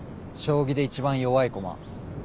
将棋で一番弱い駒。